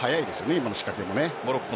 今の仕掛けも。